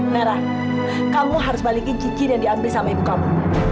merah kamu harus balikin cicir yang diambil sama ibu kamu